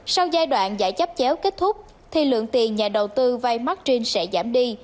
sau giai đoạn giải chấp chéo kết thúc thì lượng tiền nhà đầu tư vay martin sẽ giảm đi